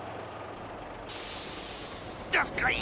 ・どすこい！